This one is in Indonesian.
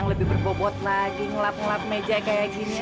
oleh itu raja corrikanlah sama puan wilayah kita